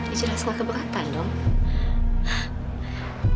ijriah suka keberatan dong